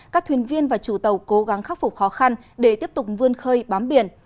các thuyền viên và chủ tàu cố gắng khắc phục khó khăn để tiếp tục vươn khơi bám biển